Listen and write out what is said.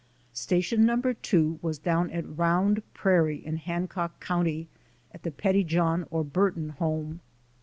Station No. 2 was down at Bound Prairie in Hancock county, at the Pettyjohn or Burton home.